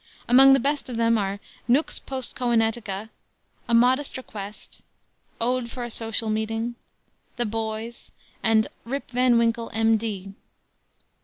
Among the best of them are Nux Postcoenatica, A Modest Request, Ode for a Social Meeting, The Boys, and _Rip Van Winkle, M.D.